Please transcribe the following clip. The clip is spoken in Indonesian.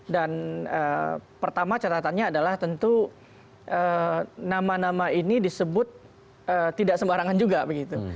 dan pertama catatannya adalah tentu nama nama ini disebut tidak sembarangan juga begitu